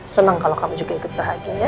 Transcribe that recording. senang kalau kamu juga ikut bahagia